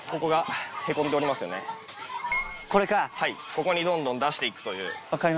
ここにどんどん出していく。